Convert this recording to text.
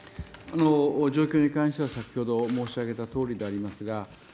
状況に関しては先ほど申し上げたとおりです。